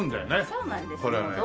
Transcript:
そうなんです。